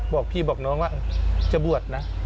บอกพี่บอกน้องว่าจะบวชนะ